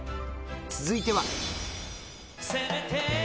続いては。